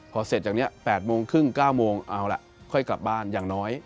พอเสร็จจากนี้๘๓๐๙๐๐เอาละค่อยกลับบ้านอย่างน้อย